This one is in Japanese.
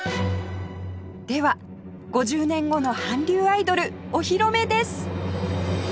では５０年後の韓流アイドルお披露目です